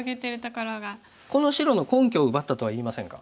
この白の根拠を奪ったとは言えませんか？